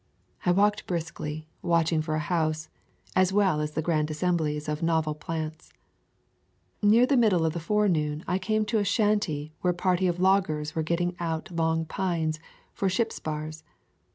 I walked briskly, watching for a house, as well as the grand assemblies of novel plants. Near the middle of the forenoon I came toa shanty where a party of loggers were getting out long pines for ship spars.